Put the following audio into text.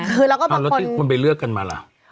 คือคือแล้วก็บางคน